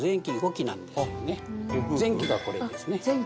前鬼がこれですね。